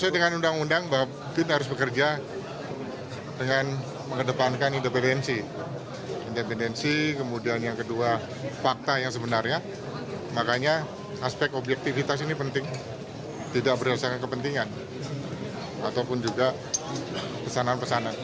tidak berdasarkan kepentingan ataupun juga pesanan pesanan